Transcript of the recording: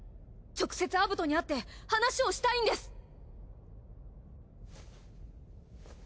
直接アブトに会って話をしたいんです！